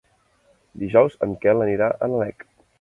Dijous en Quel anirà a Nalec.